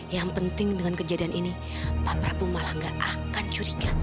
yang penting dengan kejadian ini pak prabowo malah gak akan curiga